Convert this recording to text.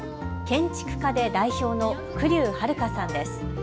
建築家で代表の栗生はるかさんです。